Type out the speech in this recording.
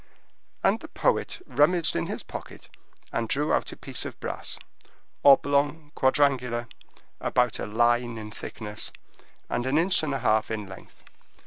And the poet rummaged in his pocket, and drew out a piece of brass, oblong, quadrangular, about a line in thickness, and an inch and a half in length.